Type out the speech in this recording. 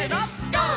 ゴー！」